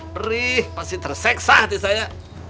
perih pasti terseksa hati saya